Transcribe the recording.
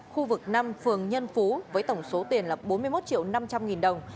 khu vực năm phường nhân phú với tổng số tiền là bốn mươi một triệu năm trăm linh nghìn đồng